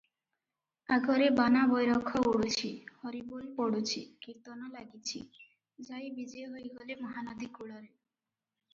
ଆଗରେ ବାନା ବୈରଖ ଉଡୁଛି, ହରିବୋଲ ପଡ଼ୁଛି, କୀର୍ତ୍ତନ ଲାଗିଛି, ଯାଇ ବିଜେ ହୋଇଗଲେ ମହାନଦୀ କୂଳରେ ।